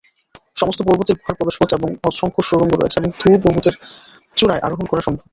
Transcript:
সমস্ত পর্বতের গুহার প্রবেশ পথ এবং অসংখ্য সুড়ঙ্গ রয়েছে এবং থুয় পর্বতের চূড়ায় আরোহণ করা সম্ভব।